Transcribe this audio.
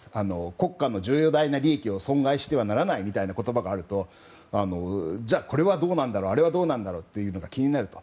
国家の重大な利益を損害してはならないみたいな言葉があるとじゃあ、あれはどうなんだろうみたいなのが気になると。